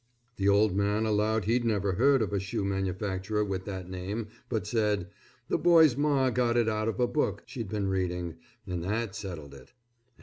The old man allowed he'd never heard of a shoe manufacturer with that name but said, "The boy's Ma got it out of a book she'd been reading and that settled it."